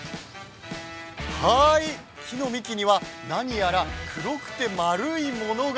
木の幹には何やら黒くて丸いものが。